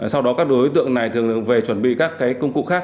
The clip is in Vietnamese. sau đó các đối tượng này thường về chuẩn bị các công cụ khác